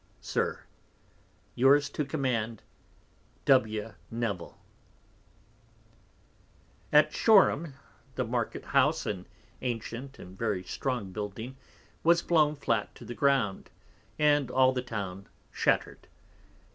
Sir, Yours to Command W. Nevill At Shoram the Market House, an Antient and very strong building, was blown flat to the Ground, and all the Town shatter'd.